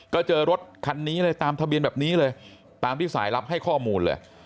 ก็เจอรถคันนี้เลยตามทะเบียนแบบนี้เลยตามที่สายลับให้ข้อมูลเลย